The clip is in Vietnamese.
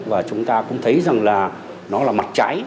và chúng ta cũng thấy rằng là nó là mặt trái